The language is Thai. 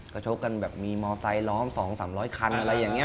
ก็ชกกันแบบมีมอไซค์ล้อม๒๓๐๐คันอะไรอย่างนี้